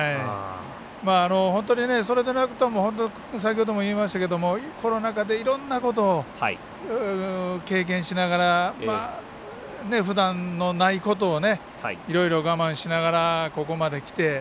本当にそれでなくても先ほども言いましたがコロナ禍でいろんなことを経験しながらふだん、ないことをいろいろ我慢しながらここまできて。